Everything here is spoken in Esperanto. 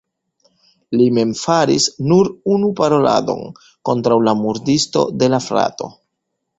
Li mem faris nur unu paroladon kontraŭ la murdisto de la frato.